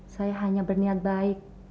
saya hanya berniat baik